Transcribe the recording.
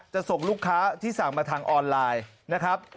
ส่งลูกค้าที่สั่งมาทางออนไลน์นะครับ